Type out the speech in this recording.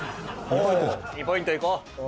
２ポイントいこう。